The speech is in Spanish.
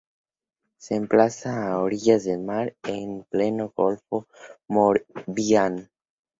Se emplaza a orillas del mar en pleno golfo de Morbihan.